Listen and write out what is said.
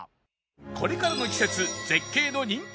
これからの季節絶景の人気